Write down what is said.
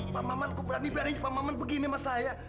pak maman aku berani beri pak maman begini mas saya